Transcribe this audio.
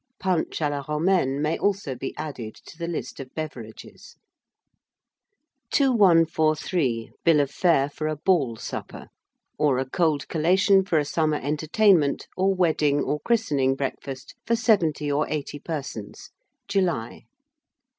Punch a la Romaine may also be added to the list of beverages. 2143. BILL OF FARE FOR A BALL SUPPER, Or a Cold Collation for a Summer Entertainment, or Wedding or Christening Breakfast for 70 or 80 Persons (July).